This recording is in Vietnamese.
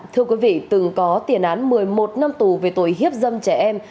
thưa quý vị từng có tiền án một mươi một năm tù về tội hiếp dâm trẻ em